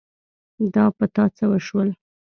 دا په تا څه وشول ؟